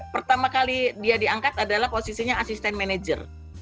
pertama kali dia diangkat adalah posisinya asisten manajer